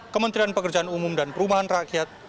kementerian pekerjaan umum dan perumahan rakyat